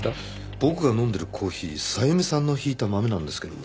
僕が飲んでるコーヒーさゆみさんの挽いた豆なんですけども。